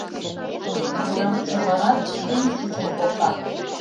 Южгунам чонланат шуй чучын колта.